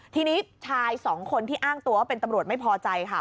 ทีนี้ชายสองคนที่อ้างตัวว่าเป็นตำรวจไม่พอใจค่ะ